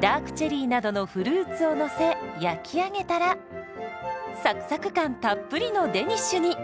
ダークチェリーなどのフルーツをのせ焼き上げたらサクサク感たっぷりのデニッシュに。